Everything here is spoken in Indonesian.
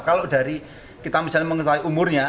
kalau dari kita misalnya mengetahui umurnya